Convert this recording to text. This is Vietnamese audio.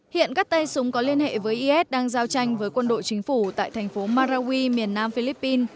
hiện các tay súng có liên hệ với is đang giao tranh với quân đội chính phủ tại thành phố marawi miền nam philippines